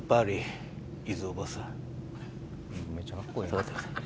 下がってなさい。